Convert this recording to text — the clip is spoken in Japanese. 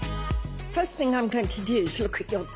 はい。